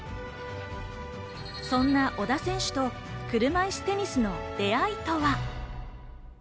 そんな小田選手と車いすテニスの出合いとは。